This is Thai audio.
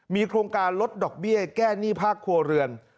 มีโครงการลดดอกเบี้ยแก้หนี้ภาคครัวเรือน